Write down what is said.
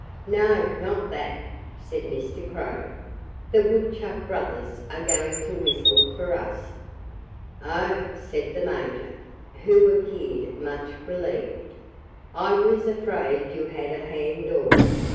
"No not that!" said Mr. Crow. "The Woodchuck brothers are going to whistle for us." "Oh!" said the Major, who appeared much relieved. "I was afraid you had a hand organ.